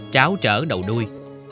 tráo trở đầu đuôi